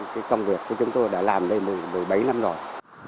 cái công việc của chúng tôi đã làm đây bởi bấy năm rồi